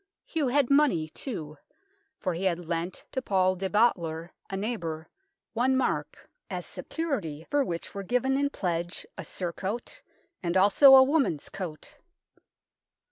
Hugh had money, too, for he had lent to Paul de Botiller, a neighbour, one mark, as security for which were given in pledge a surcoat and also a woman's coat.